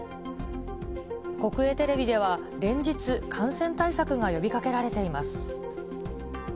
国営テレビでは、連日、感染対策が呼びかけられています。